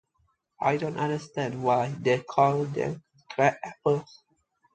I don't understand why they call them "crab-apples."